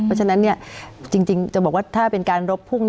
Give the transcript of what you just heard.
เพราะฉะนั้นจริงจะบอกว่าถ้าเป็นการรบพุ่ง